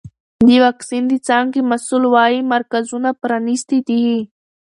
د واکسین د څانګې مسؤل وایي مرکزونه پرانیستي دي.